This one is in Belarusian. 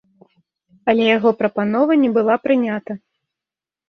Але яго прапанова не была прынята.